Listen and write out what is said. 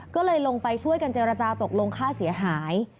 ก็เลยลงไปช่วยกันเจรจาตกลงค่าเสียหาย